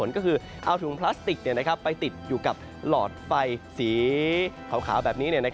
ก็คือเอาถุงพลาสติกไปติดอยู่กับหลอดไฟสีขาวแบบนี้